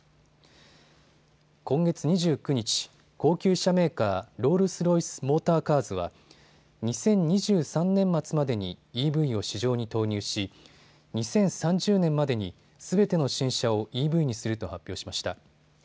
今月２９日、高級車メーカー、ロールス・ロイス・モーター・カーズは２０２３年末までにＥＶを市場に投入し２０３０年までにすべての新車をＥＶにすると発表しました。